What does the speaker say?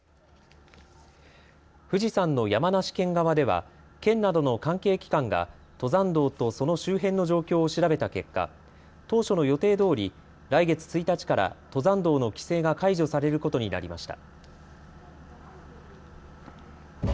富士山の山梨県側では県などの関係機関が登山道とその周辺の状況を調べた結果、当初の予定どおり来月１日から登山道の規制が解除されることになりました。